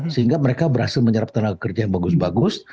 sehingga mereka berhasil menyerap tenaga kerja yang bagus bagus